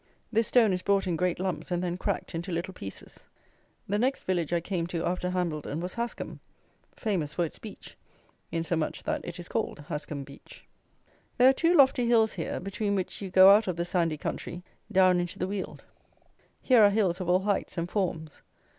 This stone is brought, in great lumps, and then cracked into little pieces. The next village I came to after Hambledon was Hascomb, famous for its beech, insomuch that it is called Hascomb Beech. There are two lofty hills here, between which you go out of the sandy country down into the Weald. Here are hills of all heights and forms.